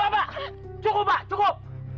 bapak cukup pak cukup